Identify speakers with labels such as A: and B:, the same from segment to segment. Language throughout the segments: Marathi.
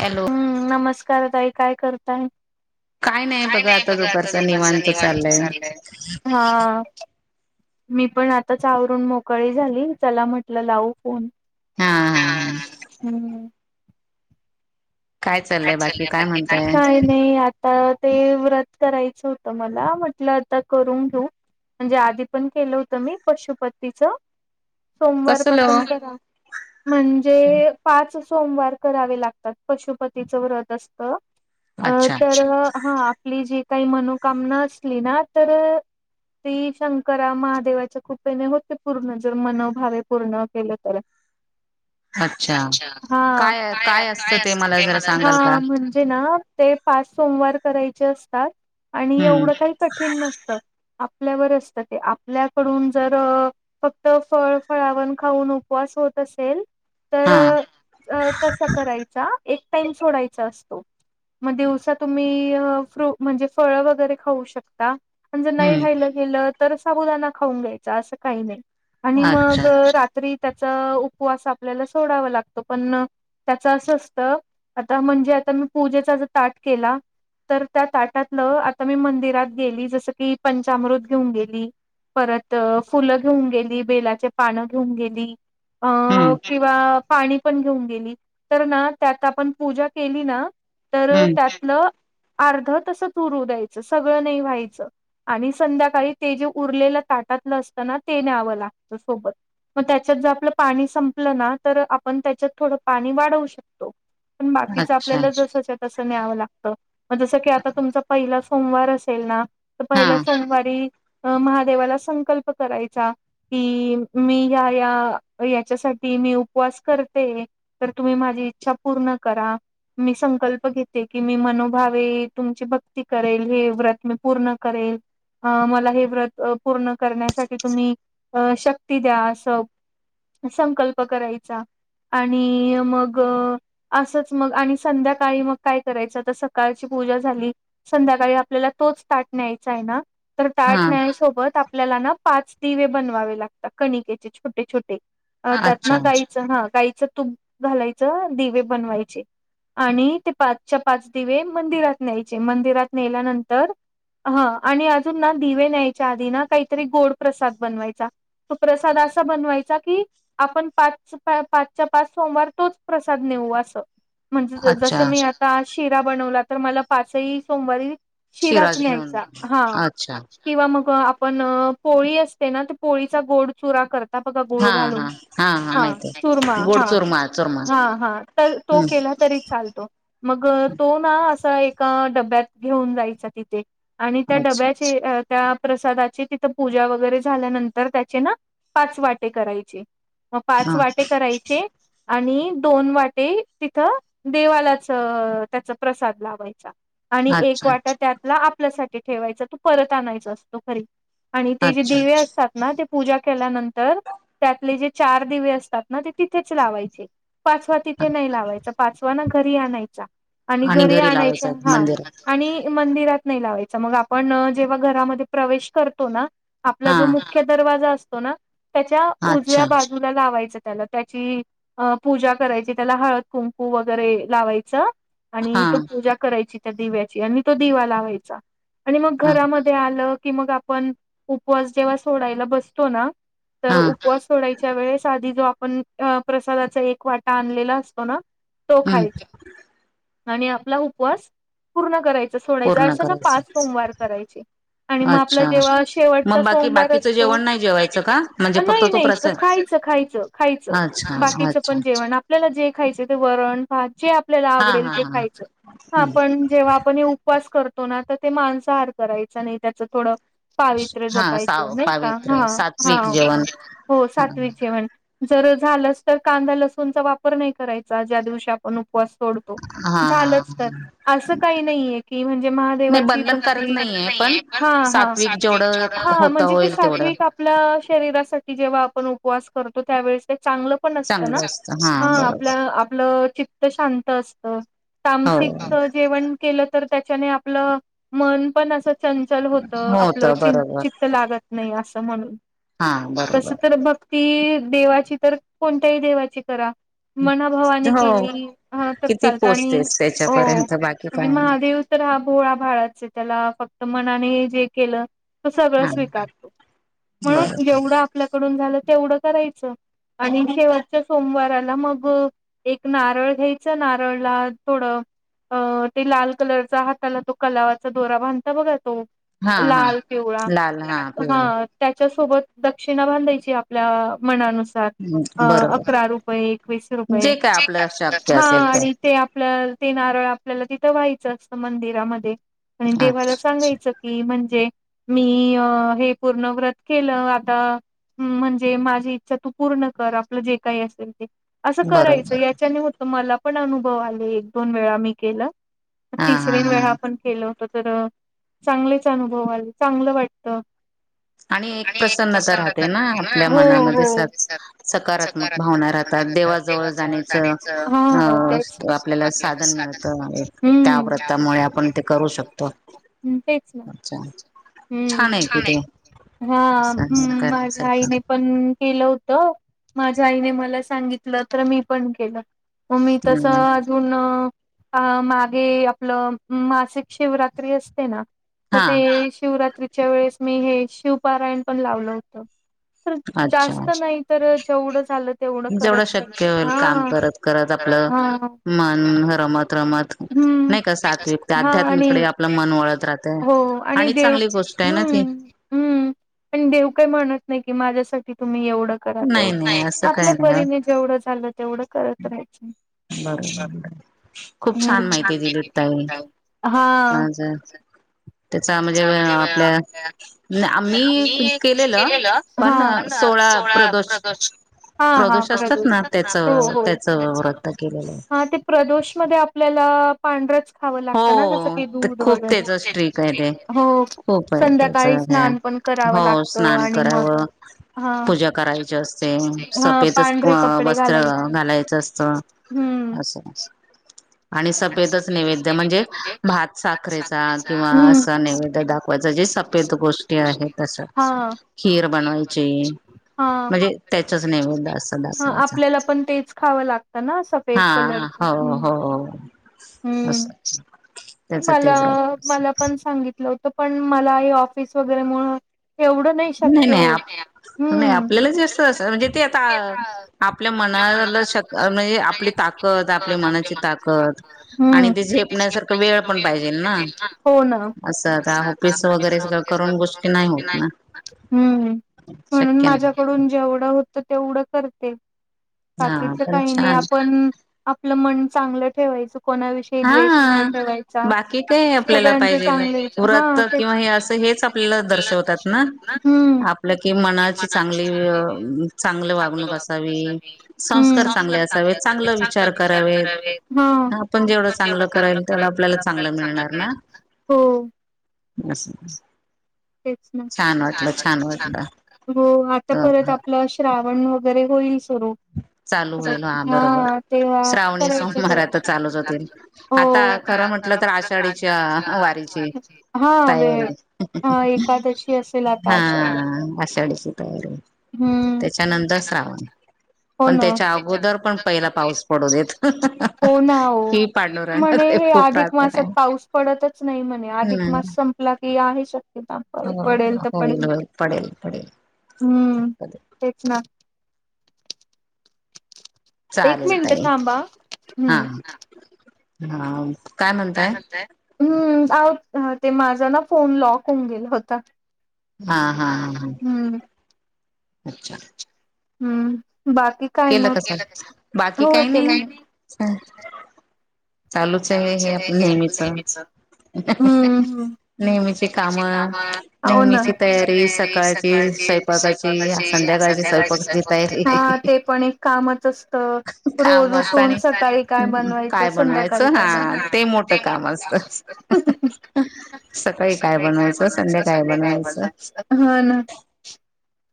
A: हॅलो
B: हम्म नमस्कार ताई काय करताय काय नाही बघ आता दुपारचा निवांत चाललंय ह मी पण आताच आवरून मोकळी झाली चला म्हटलं लावू फोन
A: हा हा हा
B: हम्म हम्म काय
A: चाललंय बाकी
B: चाललय बाकि काय
A: म्हणताय
B: म्हणत काही नाही आत तर ते व्रत करायचं होतं मला म्हटलं आता करून घेऊ म्हणजे आधी पण केलं होतं मी पशुपतीचं सोमवार
A: कसलं
B: पासून
A: ओ
B: करा म्हंजे पाच सोमवार करावे लागतात, पशुपतीचं व्रत असत. अ
A: अच्छा
B: तर हा आपली जी काही मनोकामना असली ना तर अ ती शंकरा महादेवाच्या कृपेने होते पूर्ण, जर मनोभावे पूर्ण केले तर. अच्छा हा काय
A: असतं
B: काय
A: ते
B: अस
A: मला जरा सांगाल का
B: म्हणजे ना, ते पाच सोमवार करायचे असतात आणि
A: हम्म
B: एवढं काही कठीण नसत. आपल्यावर असतं ते, आपल्याकडून जर फक्त फळ फळावण खाऊन उपवास होत असेल तर
A: हा
B: तस करायचा, एक टाईम सोडायचा असतो. म दिवसा तुम्ही फ्रु म्हणजे फळ वगैरे खाऊ शकता. पण जर नाही
A: हम्म
B: खायलं गेलं तर, साबुदाना खाऊन घ्यायचा असं काही नाही. आणि
A: अच्छा
B: मग अ रात्री त्याच उपवास आपल्याला सोडावा लागतो, पण त्याच असं असतं आता म्हणजे आता मी पूजेचा ज ताट केला तर त्या ताटातलं आता मी मंदिरात गेली. जसं की पंचामृत घेऊन गेली परत फुलं घेऊन गेली, बेलाचे पानं घेऊन गेली. अ
A: हम्म
B: किंवा पाणी पण घेऊन गेली, तर ना त्यात आपण पूजा केली ना, तर त्यात
A: हम्म
B: आपलं आर्ध तसच उरू द्यायचं, सगळं नाही व्हायचं. आणि संध्याकाळी ते जे उरलेलं ताटातलं असत ना, ते न्यावं लागतं सोबत. म त्याच्यातल जर आपलं पाणी संपलं ना, तर आपण त्याच्यात थोडं पाणी वाढवू शकतो. पण बाकीच
A: अच्छा
B: आपल्याला जस च्या तसं न्यावं लागत. म जसं की, आता तुमचा पहिला सोमवार असेल ना
A: हा
B: पहिल्या सोमवारी अ महादेवाला संकल्प करायचा. की मी या या याच्यासाठी मी उपवास करते. तर तुम्ही माझी इच्छा पूर्ण करा. मी संकल्प घेते की, मी मनोभावे तुमची भक्ती करेल, हे व्रत पूर्ण करेल. अ मला हे व्रत पूर्ण करण्यासाठी तुम्ही अ शक्ती द्या असं. संकल्प करायचा आणि मग ग असंच मग आणि संध्याकाळी मग काय करायचं आता सकाळची पूजा झाली संध्याकाळी आपल्याला तोच ताट न्यायचा आहे ना, तर ताट
A: हा
B: न्याय सोबत आपल्याला ना पाच दिवे बनवावे लागतात, कणिकेचे छोटे छोटे. अ त्यातन
A: अच्छा
B: गाईचं हा गाईचं तूप घालायचं दिवे बनवायचे. आणि ते पाचच्या पाच दिवे मंदिरात न्यायचे, मंदिरात नेल्यानंतर ह आणि अजून ना दिवे न्यायच्या आधी ना काहीतरी गोड प्रसाद बनवायचा. तो प्रसाद असा बनवायचा कि, आपण पाच पाचच्या पाच सोमवार तोच प्रसाद नेऊ आस म्हणजे जस
A: अच्छा
B: मी आता शिरा बनवला तर, मला पाचही सोमवारी शिराच
A: शिराज घेऊन
B: न्यायचा हा.
A: अच्छा
B: किंवा मग आपण पोळी असते ना, ते पोळीचा गोड चुरा करत ता बघा
A: हा
B: गुळ घालून
A: हा
B: हा
A: माहिती
B: चुरमा
A: आहे गोड
B: हा.
A: चुरमा चुरमा
B: हा हा. तर तो
A: हम्म
B: केला तरी चालतो. मग तो ना असा एका डब्यात घेऊन जायचा तिथे आणि त्या
A: अच्छा
B: डब्या ची, प्रसादाची तिथ पूजा वगैरे झाल्यानंतर त्याचे ना पाच वाटे करायचे, म पाच
A: हा
B: वाटे करायचे आणि दोन वाटे तिथं देवालाच अ त्याचा प्रसाद लावायचा. आणि एक
A: अच्छा
B: वाटा त्यातला आपल्यासाठी ठेवायचा, तो परत आणायच असतो घरी. आणि ते जे
A: अच्छा
B: देवे असतात ना ते पूजा केल्यानंतर, त्यातले जे चार दिवे असतात ना, ते तिथेच लावायचे. पाचवा तिथे नाही लावायचा. पाचवा ना, घरी आणायचा. आणि घरी आणायचा हा आणि मंदिरात नाही लावायचं. मग आपण जेव्हा, घरामध्ये प्रवेश करतो ना आपला
A: हा
B: जो मुख्य दरवाजा असतो ना, त्याच्या
A: अच्छा
B: उजव्या बाजू जुला लावायचं त्याला. त्याची अ पूजा करायची. त्याला हळद कुंकू वगैरे लावायचं,
A: हा
B: आणि तो पूजा करायची दिव्याची. आणि तो दिवा लावायचा. आणि मग
A: हा
B: घरामध्ये आलं की, मग आप पण उपवास जेव्हा सोडायला बसतो ना, तर
A: हा
B: उपवास सोडायच्या वेळेस आधी जो आपण, प्रसादाचा एक वाटा आणलेला असतो ना तो
A: हम्
B: खायचा. [inaudible] आणि आपला उपवास पूर्ण करायचं सोडायचं.
A: पूर्ण
B: अशे ना
A: करायचं
B: पाच सोमवार करायचे. आणि मग आपला
A: अच्छा
B: जेव्हा शेवटचा
A: मग बाकी
B: सोमवार असतो, बाकीचं जेवण नाही
A: जेवायचं
B: केलं
A: का
B: पाहिजे
A: म्हणजे
B: ना?
A: फक्त
B: नाही,
A: तो
B: नाही,
A: प्रसाद
B: खायचं खायच. खायचं.
A: अच्छा
B: बाकीच
A: अच्छा
B: पण जेवण जेवण. आपल्याला जे खायचं ते वरण भात. जे आपल्याला
A: हा
B: आवडेल,
A: हा
B: ते
A: हा
B: खायचं. हा
A: हम्
B: पण जेव्हा आपण हे उपवास करतो ना, तर ते मांसा हार करायचा नाही. त्याचं थोडं पावित्र
A: हा
B: जपायचं.
A: साव
B: नाही का,
A: पावित्र्य
B: हं, हा,
A: सात्विक जेवण
B: हो
A: हा
B: सात्विक जेवण. जर झालंस तर, कांदा लसूनचा वापर नाही करायचा, ज्या दिवशी आपण उपवास सोडतो.
A: हा हा.
B: झालंच तर. असं काही नाहीये की, म्हणजे
A: नाही
B: महादेवाची
A: बंधन करत
B: भक्ती
A: नाहीये पण
B: हा हा. हं. सात्विक जेवढं, हा
A: होता
B: म्हणजे ते
A: होईल
B: सात्विक
A: तेवढं
B: जेवढं आपल्या शरीरासाठी जेव्हा आपण उपवास करतो, त्यावेळेस ते चांगलं पण असत. ना.
A: चांगलं असतं हा
B: हं
A: बरोबर
B: आपलं, आपलं चित्त शांत असत.
A: हो
B: तांमसिक जेवण केलं तर, त्याच्याने आपलं मन पण अस चंचल होत. आपलं च चित्त लागत नाही असं म्हणून.
A: हा
B: तस
A: बरोबर
B: तर भक्ती देवाची तर, कोणत्याही देवाची करा. मनाभवाने
A: हो
B: केली, ह तर
A: किती
B: चालतं. आणि
A: पोचतेस
B: हो
A: त्याच्यापर्यंत बाकी
B: तूम्ही
A: काय नाही
B: महादेव तर हा भोळा भाळाच आहे. त्याला फक्त मनाने जे केलं, त सगळं
A: हा
B: स्वीकारतो. [inaudible] म्हणून
A: बर
B: जेवढा आपल्याकडून झालं, तेवढं करायचं. आणि शेवटच्या सोमवाराला मग, एक नारळ घ्यायचं. नारळला थोडं- अ ते लाल कलरचा, हाताला तो कलावाचा दोरा बांधता बघा तो-
A: हा
B: तो
A: हा
B: लाल पिवळा.
A: लाल
B: हा
A: पिवळा
B: त्याच्यासोबत दक्षिणा बांधायची आपल्या मनानुसार. अं
A: बरोबर
B: अकरा रुपये, एकवीस रुपये,
A: जे काय आपलं शक्य
B: हा
A: असेल
B: आणि ते आपलं ते नारळ आपल्याला तिथं व्हायचं असतं मंदिरामध्ये. आणि देवाला
A: अच्छा
B: सांगायचं कि म्हणजे, मी हे पूर्ण व्रत केलं आता हम्म म्हणजे माझी इच्छा तू पूर्ण कर. आपलं जे काही असेल ते. असं करायचं
A: बरोबर
B: याच्याने मग तर मला पण अनुभव आले. एक, दोन वेळा मी केलं.
A: हा हा
B: तिसरे
A: हा
B: वेळा पण- केलं होत, तर चांगलेच अनुभव आले. चांगलं वाटत
A: आणि एक प्रसन्नता राहते ना, आपल्या मनामध्ये स सकारात्मक भावना राहतात. देवाजवळ जाण्याचं अ- आपल्याला साधन मिळतं एक. त्या व्रतामुळे आपण ते करू शकतो.
B: हं, तेच ना
A: च्या
B: हम्म, छान आहे. हा
A: असं
B: माझ्या
A: करण्यासारखं
B: आईने पण केलं होतं माझ्या आईने मलां सांगितलं तरं मी पणं केलं. मं मी
A: हम्म
B: तसंच- तुंन अं मागे आपलं मासिक शिवरात्री असते नां- तरं
A: हा
B: ते शिवरात्रीच्यां वेळेस मी हे शिवपारांयण पणं लावलं होतं. तरं
A: अच्छा
B: जास्तं नाहीं तरं जेवढं झालं- तेवढं
A: जेवढं
B: करतं
A: शक्य
B: चालायचं
A: होईल
B: हां
A: काम करत
B: हां हां हां -
A: रमतं रमतं-
B: हम्मं हां आणि
A: आपलं मन वळत राहतय
B: हो आणि देवं
A: चांगली गोष्ट आहे ना ती
B: हम्मं- हम्मं पणं देवं कांहीं म्हणतं नाहीं की माझ्यांसाठी तुम्हीं एवढं- करां
A: नाही नाही
B: तेवढं
A: असं
B: आपल्या
A: काही
B: परीने
A: नाही
B: जेवढं झालं तेवढं करतं राहांयचं.
A: बघं.. खूंप छांन माहिती दिलीत ताई
B: हम्म हा
A: आंज- त्यांचा म्हणजे आपल्या म्हणजे आम्हीं केलेलं- पणं अं
B: हा
A: सोळां
B: सोळा
A: प्रदोष-
B: हा हा
A: प्रदोष असतांत नां त्यांचं त्यांचं व्रतं केलेलं.
B: हां ते प्रदोषमध्यें आपल्यांला- पांढरच खावं लागतं नां जसं
A: हो
B: की दूधं
A: खूप त्याच स्ट्रीक
B: वगैरें-त्यांच
A: आहे
B: टे
A: ते
B: हो
A: खूप आहे त्याच
B: संध्याकांळी
A: हे
B: स्नांन पणं करावं
A: हो
B: लागतं
A: स्नान
B: आणि
A: करावं
B: मगं- हां
A: पूजा करायची असते
B: हां
A: सफेदच
B: पांढरे कपडे
A: वस्त्र
B: घालांयचे.
A: घालायचं असतं असं आणि सफेदचं नैवेद्य- म्हणजे भांत साखरेचा किंवा
B: हम्म
A: असं नैवेद्य दाखवांयचा जे सफेद गोष्टी आहेतं तशा-
B: हां...
A: खीर बनवांयची- म्हणजे त्यांचाच नैवेद असां
B: हा
A: दाखवांयचा.
B: आपल्याला पण तेच खावं लागतं ना सफेद
A: हां
B: कलरच
A: हां हो
B: हम्म
A: हो असं- त्याच ते
B: मलां
A: व्रत असं.
B: मलां पणं सांगितलं होतं पणं मलां हे ऑफिस वगैरें मुळं एवढंच- नाहीं
A: नाही
B: शक्यं
A: नाही आप
B: होतं
A: नाही
B: हम्मं-
A: आपल्याला जास्त असं म्हणजे ते आता
B: आपल्या
A: मनाला
B: मनांला
A: शक
B: म्हणजे आपली
A: ताकद आपली
B: ताकदं आपल्या
A: मनाची
B: मनांची
A: ताकद
B: ताकदं
A: ते
B: आणि त्यां-
A: झेपण्यासारखं वेळ
B: तोही
A: पण
B: वेळं
A: पाहिजे
B: पणं
A: ना
B: पाहिजेल नां हो नां
A: आता
B: असं
A: ऑफिस
B: आती
A: वगैरे सगळं
B: वगैरें असं
A: करून
B: करूंन
A: गोष्टी नाही
B: पुष्ट
A: होत ना
B: नाहीं- हम्मं म्हणूंन
A: शक्य नाही
B: माझ्याकडूंन जेवढं होतं तेवढं करते.
A: हा
B: बाकीचं
A: पण
B: कांहीं नाहीं
A: छान
B: आपणं- आपलं मनं चांगलं ठेवायचं कोणां विषयी द्वेष- नाहीं
A: हा
B: ठेवायंचा
A: बाकी काय आपल्याला
B: सगळ्याचं
A: पाहिजेल
B: चांगले
A: व्रत
B: हां
A: किंवा
B: हेचं
A: हे असं हेच आपल्याला
B: आपल्या-
A: दर्शवतात ना
B: आपलं मनाची चांगली
A: चांगली
B: चांगल
A: वागणूक
B: होवो असावी-
A: संस्कार
B: हम्मं चांगले
A: असावेत चांगला
B: असावेेत चांगले विचारं करावे हां.
A: पणं जेवढं चांगलं करालं तेवढं आपल्याला चांगलं मिळणारं नां
B: हो
A: असं
B: तेचं नं छांन वाटलं छांन हो आंता परंत
A: तर
B: आपलां श्रावणं वगैरें होईल सुरूं
A: चालू होईल हा बरोबर
B: हां तेव्हां
A: श्रावणी सोमवार
B: करायचं
A: आता चालूच होतील
B: हो
A: आता
B: कां खरं
A: तर
B: म्हटलं
A: आषाढीच्या वारीची
B: त्राषाढच्यां हां वेळं
A: तयारी
B: हं एकादशी असेल आंता
A: हा
B: अशा
A: आषाढीची तयारी त्यांच्यानंतर श्रावणं
B: हो नां त्यांद पणं
A: पहिला पाऊस
B: पां
A: पडू देत
B: हो
A: ही
B: नां म्हंणे
A: पांडुरंगाकडे
B: हे
A: खूप
B: अधिक
A: प्रार्थना
B: मासांत
A: आहे
B: पाऊस पडतंच नाहीं म्हंणे अधिक
A: हम्म
B: मांस सं आपला की आहे शक्यता प
A: हो
B: पडेल तर
A: होईल
B: पडेल
A: होईल पडेल पडेल
B: हम्म तेच ना एक
A: चालेल
B: मिनिट
A: ताई
B: थांबा
A: हा
B: हम्म.
A: हा
B: काय करता आहे हम् ते माझा ना फोन लॉक होऊन गेला होता.
A: हा हा हा हा
B: हम्म
A: अच्छा
B: हम्म बाकी काय
A: केलं
B: मग
A: कस
B: केलाका
A: बाकी
B: स्वयंपाक? हो
A: काही
B: केलान माझं काय नाही
A: चालूच आहे हे आप नेहमीच
B: हम्म हम् नेहमीची काम नेहमीची तयारी सकाळची संध्याकाळी स्वयंपाकची तयारी ह ते पण एक कामच असतं. तर रोज
A: काम असत
B: उठून
A: आणि
B: सकाळी काय बनवायचं
A: काय
B: संध्याकाळी
A: बनवायचं हा
B: ना
A: मोठं
B: ते मोठ काम
A: असतं
B: असत सग काय बनवायच संध्याकाळी काय बनवायचं हो ना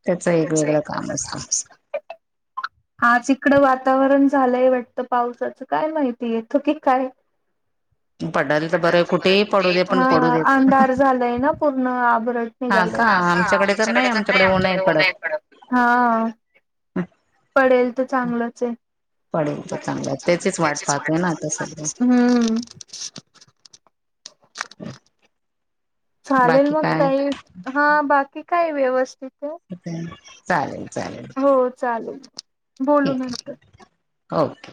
A: त्याच
B: त्याचा
A: वेगळं
B: एक
A: काम असतं
B: आज इकडं वातावरण झालंय वाटतं पावसाचं काय माहिती येतो की काय
A: पडायला तर बरं कुठेही पडू दे पण पडू देत
B: अंधार झालय ना पूर्ण आभारट. निघाल हे आमच्याकडे तर नाही आमच्याकडे ऊन हे कडक.
A: हम
B: पडेल तर चांगलंच आहे
A: तो चांगला त्याचीच वाट पाहतोय ना आता सध्या
B: हम्म चालेल
A: बाकी
B: मग
A: काय
B: तई हा बाकी काय व्यवस्थित आहे
A: चालेल चालेल
B: हो चालेल बोलू
A: ठीक आहे
B: नंतर
A: ओके